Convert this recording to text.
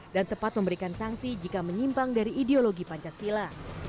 dan tepat memberikan sanksi jika menyimpang dari ideologi pancasila